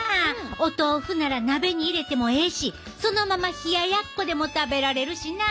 お豆腐なら鍋に入れてもええしそのまま冷ややっこでも食べられるしな。